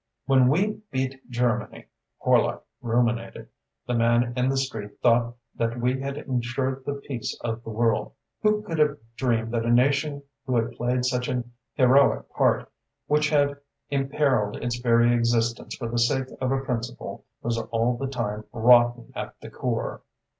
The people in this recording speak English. "When we beat Germany," Horlock ruminated, "the man in the street thought that we had ensured the peace of the world. Who could have dreamed that a nation who had played such an heroic part, which had imperiled its very existence for the sake of a principle, was all the time rotten at the core!"